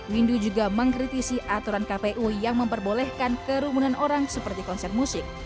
windu juga mengkritisi aturan kpu yang memperbolehkan kerumunan orang seperti konser musik